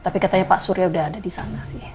tapi katanya pak surya udah ada disana sih